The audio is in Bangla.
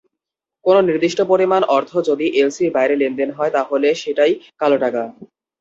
কোনো নির্দিষ্ট পরিমাণ অর্থ যদি এলসির বাইরে লেনদেন হয়, তাহলে সেটাই কালোটাকা।